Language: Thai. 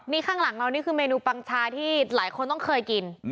นี่ข้างหลังเรานี่คือเมนูปังชาที่หลายคนต้องเคยกิน